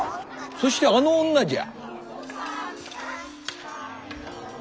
そしてあの女じゃ。